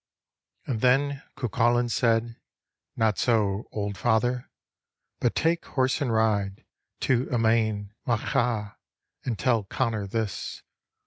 And then Cuculain said :" Not so, old father, but take horse and ride To Emain Macha, and tell Connor this."